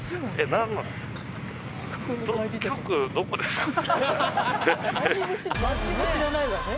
何も知らないわね。